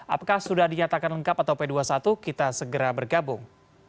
apakah sudah dinyatakan lengkap atau p dua puluh satu kita segera bergabung